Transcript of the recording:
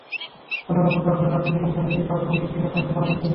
গতকাল বুধবার ভোরে রাজধানীর গুলশানে নিজ বাসভবনে হৃদ্রোগে আক্রান্ত হয়ে মারা যান তিনি।